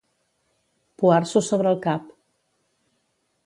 Poar-s'ho sobre el cap.